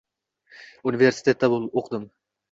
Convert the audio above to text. universitetda oʻqidim